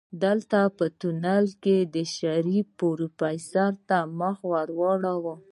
دلته په تونل کې شريف پروفيسر ته مخ واړوه.